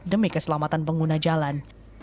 demi keselamatan pengguna jalan